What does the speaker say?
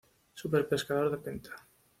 Super Pescador de Penta